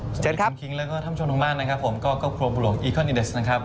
สวัสดีทุนคิงและก็ท่านผู้ชมพร้อมกับคุณบริการอีกชั้นอีเดะส์นะครับ